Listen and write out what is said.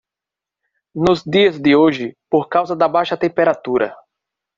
Nos dias de hoje por causa da baixa temperatura